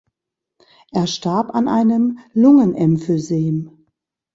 Er starb an einem Lungenemphysem.